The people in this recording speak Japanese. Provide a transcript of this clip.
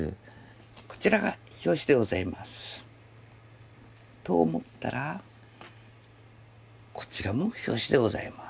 こちらが表紙でございます。と思ったらこちらも表紙でございます。